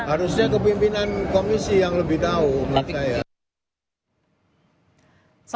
harusnya kepimpinan komisi yang lebih tahu menurut saya